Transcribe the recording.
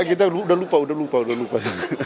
kita udah lupa udah lupa